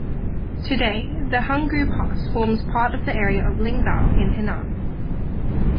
Today, the Hangu Pass forms part of the area of Lingbao in Henan.